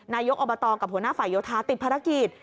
นายกอบตกับหัวหน้าฝ่ายโยธาติดภารกิจ